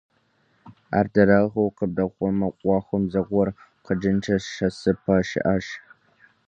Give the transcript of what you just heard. Ар дарэгъу къыбдэхъумэ, Ӏуэхум зыгуэр къикӀынкӀэ шэсыпӀэ щыӀэщ.